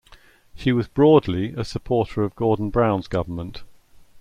She was broadly a supporter of Gordon Brown's government.